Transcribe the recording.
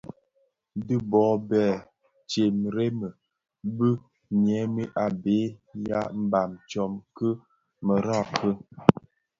Dhi bo Bè dhemremi bi ňyinim a be ya mbam tsom ki merad ki.